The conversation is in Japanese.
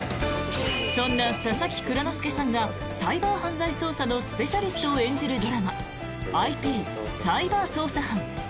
そんな佐々木蔵之介さんがサイバー犯罪のスペシャリストを演じるドラマ「ＩＰサイバー捜査班」。